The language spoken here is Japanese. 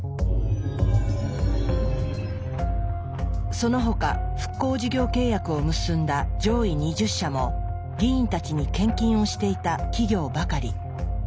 その他復興事業契約を結んだ上位２０社も議員たちに献金をしていた企業ばかり。